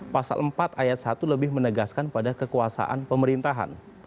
pasal empat ayat satu lebih menegaskan pada kekuasaan pemerintahan